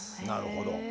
なるほど。